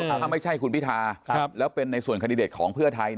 ถ้าไม่ใช่คุณพิทาแล้วเป็นในส่วนคันดิเดตของเพื่อไทย